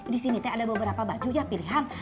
di sini teh ada beberapa baju ya pilihan